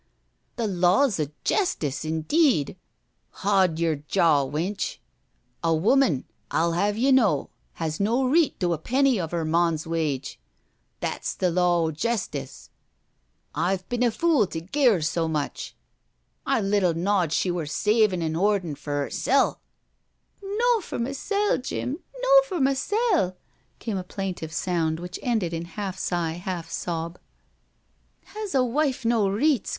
" The laws of jestice, indeed I Hand yer jaw, wench. A woman, I'll have ye to know, has no reet to a penny of her mon's wage — Ihats the law o' jesticel I've bin a fool to gi'e her so much — I little knawed she wur savin' an' hoardin' for 'ersell" '• No' for mysel', Jim, no' for mysel'," came a plain tive sound which ended in half sigh, half sob. '* Has a Wife no reets?"